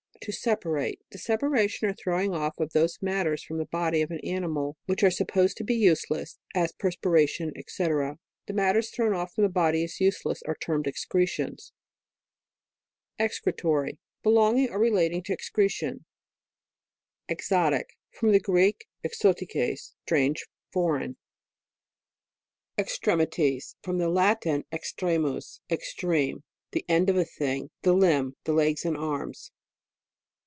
to separate. The separation, or throwing off those matters from the body of an animal, which are supposed to be useless, as perspira tion, &c, The matters thrown off from the body as useless, are termed excretions. EXCRETORY. Belonging or relating to excretion. (See First Book of Natural History, pasje 9S.) EXOTIC. From the Greek, exotikos, strange, foreign. EXTREMITIES. From the Latin, extre mus, extreme ; the end of a thing. The limb ; the legs, and arms.